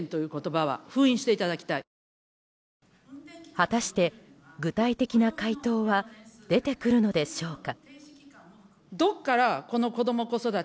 果たして、具体的な回答は出てくるのでしょうか。